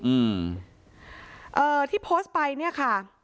อืมเอ่อที่โพสต์ไปเนี่ยค่ะ